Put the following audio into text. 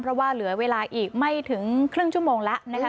เพราะว่าเหลือเวลาอีกไม่ถึงครึ่งชั่วโมงแล้วนะคะ